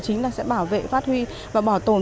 chính là sẽ bảo vệ phát huy và bảo tồn